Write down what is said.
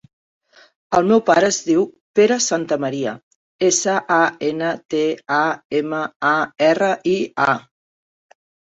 El meu pare es diu Pere Santamaria: essa, a, ena, te, a, ema, a, erra, i, a.